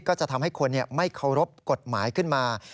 ก็จะทำให้คนไม่เคารพกฎหมายขึ้นมา